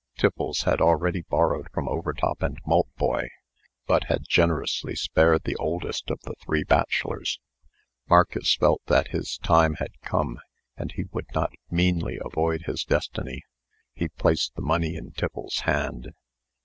Tiffles had already borrowed from Overtop and Maltboy, but had generously spared the oldest of the three bachelors. Marcus felt that his time had come, and he would not meanly avoid his destiny. He placed the money in Tiffles's hand.